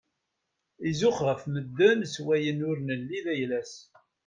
Izux ɣef madden s wayen ur nelli d ayla-s.